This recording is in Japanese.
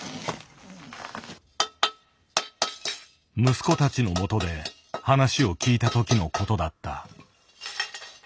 息子たちのもとで話を聞いたときのことだった。